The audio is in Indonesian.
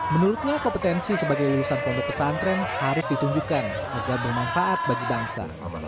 menurutnya kompetensi sebagai lulusan pondok pesantren harus ditunjukkan agar bermanfaat bagi bangsa